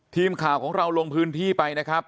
ทีมข่าวของเราลงพื้นที่ไปนะครับ